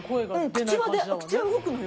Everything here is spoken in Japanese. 口は動くのよ。